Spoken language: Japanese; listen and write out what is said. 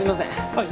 はい。